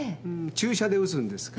注射で打つんですか？